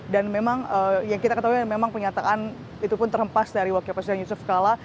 memang yang kita ketahui memang pernyataan itu pun terhempas dari wakil presiden yusuf kala